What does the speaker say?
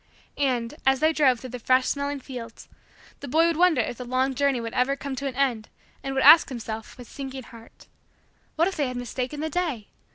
And, as they drove through the fresh smelling fields, the boy would wonder if the long journey would ever come to an end and would ask himself, with sinking heart: "What if they had mistaken the day?